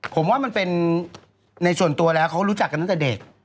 ผมว่ามันเป็นในส่วนตัวแล้วเขารู้จักกันตั้งแต่เด็ก